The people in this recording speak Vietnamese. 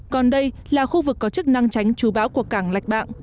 còn đây là khu vực có chức năng tránh chú bão của cảng lạch bạng